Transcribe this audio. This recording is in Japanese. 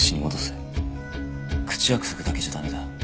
口約束だけじゃ駄目だ。